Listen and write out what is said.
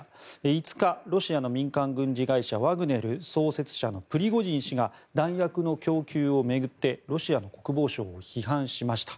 ５日、ロシアの民間軍事会社ワグネル創設者のプリゴジン氏が弾薬の供給を巡ってロシアの国防省を批判しました。